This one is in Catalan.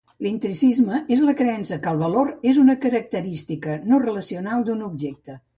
L'intrinsicisme és la creença que el valor és una característica no relacional d'un objecte.